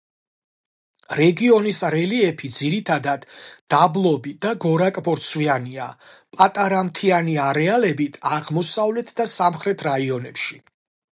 რეგიონის რელიეფი ძირითადად დაბლობი და გორაკ-ბორცვიანია, პატარა მთიანი არეალებით აღმოსავლეთ და სამხრეთ რაიონებში.